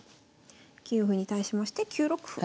９四歩に対しまして９六歩。